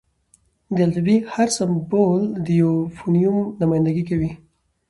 د الفبې: هر سېمبول د یوه فونیم نمایندګي کوي.